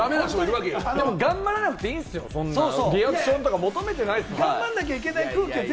頑張らなくていいんですよ、リアクションとか求めてない、そんな。